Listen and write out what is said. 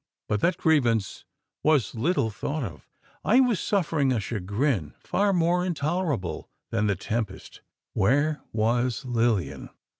But that grievance was little thought of. I was suffering a chagrin, far more intolerable than the tempest. Where was Lilian?